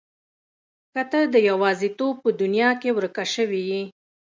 که ته د يوازيتوب په دنيا کې ورکه شوې يې.